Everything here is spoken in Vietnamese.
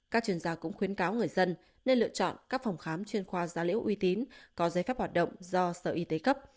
các chuyên gia cũng khuyến cáo người dân nên lựa chọn các phòng khám chuyên khoa gia liễu uy tín có giấy phép hoạt động do sở y tế cấp